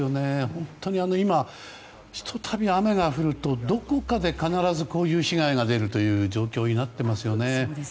本当に今、ひと度雨が降るとどこかで必ずこういう被害が出る状況になっていますよね。